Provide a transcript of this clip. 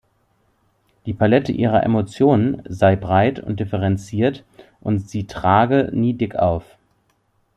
Die Palette ihrer Emotionen sei breit und differenziert und sie trage nie dick auf.